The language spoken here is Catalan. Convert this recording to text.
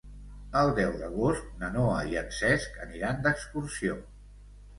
El deu d'agost na Noa i en Cesc aniran d'excursió.